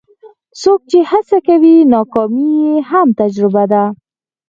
څوک چې هڅه کوي، ناکامي یې هم تجربه ده.